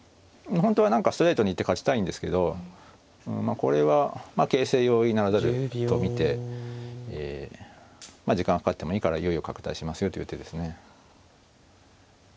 本当は何かストレートに行って勝ちたいんですけどこれは形勢容易ならざると見て時間かかってもいいから優位を拡大しますよという手ですね。